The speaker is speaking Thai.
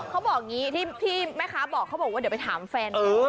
เขาบอกอย่างนี้ที่แม่ค้าบอกเขาบอกว่าเดี๋ยวไปถามแฟนดู